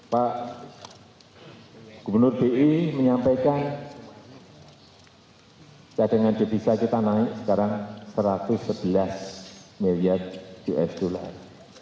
pak gubernur bi menyampaikan cadangan devisa kita naik sekarang satu ratus sebelas miliar usd